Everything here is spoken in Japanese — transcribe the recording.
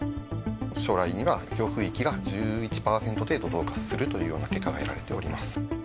将来には強風域が１１％程度増加するというような結果が得られております。